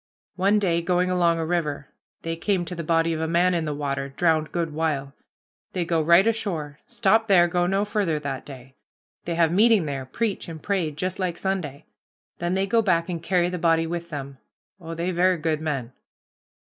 One day going along a river, they came to the body of a man in the water, drowned good while. They go right ashore stop there, go no farther that day they have meeting there, preach and pray just like Sunday. Then they go back and carry the body with them. Oh, they ver' good men."